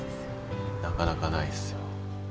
なかなかないですよ。